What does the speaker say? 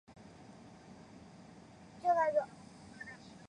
在展览期间。